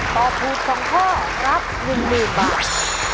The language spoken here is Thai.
ตอบถูก๒ข้อรับ๑๐๐๐บาท